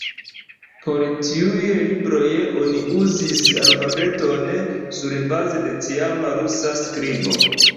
Por tiuj libroj oni uzis alfabeton surbaze de tiama rusa skribo.